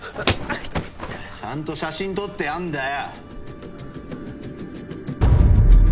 ちゃんと写真撮ってあんだよ。